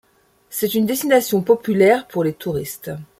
C'est une destination populaire pour les touristes.